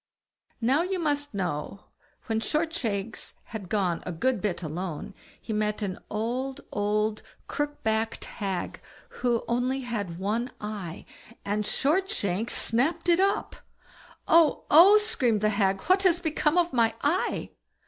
Now, you must know, when Shortshanks had gone a good bit alone, he met an old, old crook backed hag, who had only one eye, and Shortshanks snapped it up. "Oh! oh!" screamed the hag, "what has become of my eye?"